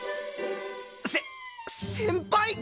せ先輩！？